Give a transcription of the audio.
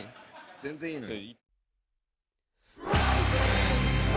全然いいのに。